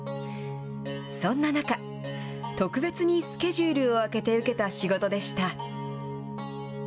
そんな中、特別にスケジュールを空けて受けた仕事でした。